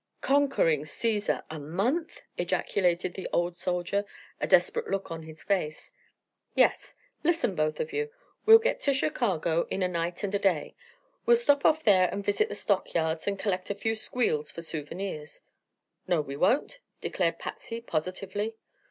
"Conquering Caesar! A month!" ejaculated the old soldier, a desperate look on his face. "Yes. Listen, both of you. We'll get to Chicago in a night and a day. We will stop off there and visit the stockyards, and collect a few squeals for souvenirs." "No, we won't!" declared Patsy, positively.